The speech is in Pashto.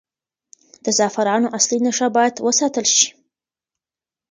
د زعفرانو اصلي نښه باید وساتل شي.